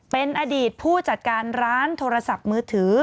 เป็นอดีตผู้จัดการร้านโทรศัพท์มือถือ